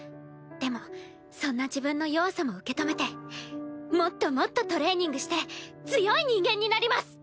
でもそんな自分の弱さも受け止めてもっともっとトレーニングして強い人間になります！